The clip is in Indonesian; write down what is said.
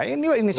ini inisiatif aja